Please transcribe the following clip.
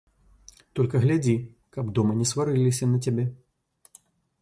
Толькі глядзі, каб дома не сварыліся на цябе.